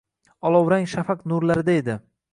Olovrang shafaq nurlarida edi